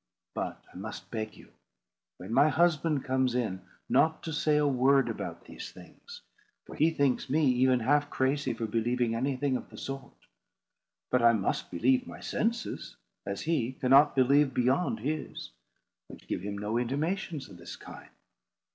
But I must beg you, when my husband comes in, not to say a word about these things; for he thinks me even half crazy for believing anything of the sort. But I must believe my senses, as he cannot believe beyond his, which give him no intimations of this kind.